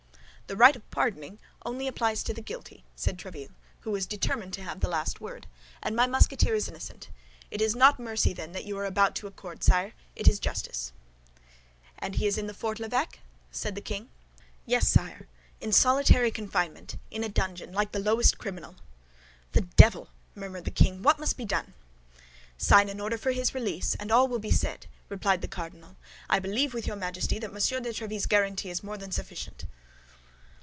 "The right of pardoning only applies to the guilty," said Tréville, who was determined to have the last word, "and my Musketeer is innocent. It is not mercy, then, that you are about to accord, sire, it is justice." "And he is in the Fort l'Evêque?" said the king. "Yes, sire, in solitary confinement, in a dungeon, like the lowest criminal." "The devil!" murmured the king; "what must be done?" "Sign an order for his release, and all will be said," replied the cardinal. "I believe with your Majesty that Monsieur de Tréville's guarantee is more than sufficient."